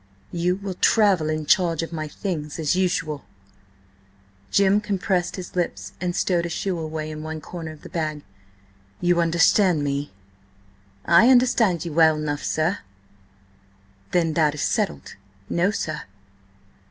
"You will travel in charge of my things, as usual." Jim compressed his lips, and stowed a shoe away in one corner of the bag. "You understand me?" "I understand ye well enough, sir." "Then that is settled." "No, sir."